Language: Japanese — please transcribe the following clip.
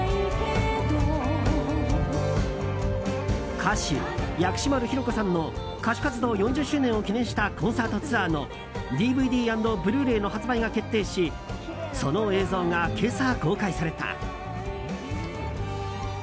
歌手・薬師丸ひろ子さんの歌手活動４０周年を記念したコンサートツアーのＤＶＤ＆ブルーレイの発売が決定しその映像が今朝、公開された。